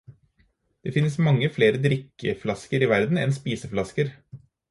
Det finnes mange flere drikkeflasker i verden enn spiseflasker.